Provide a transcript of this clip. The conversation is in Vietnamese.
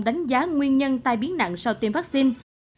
đánh giá nguyên nhân tai biến nặng sau tiêm vaccine